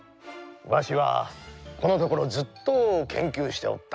わしはこのところずっとけんきゅうしておった。